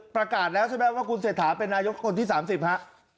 ประกาศแล้วใช่ไหมว่าคุณเศรษฐาเป็นนายกคนที่๓๐ฮะ